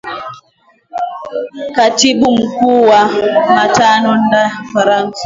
katibu mkuu wa nato andes forgrasmel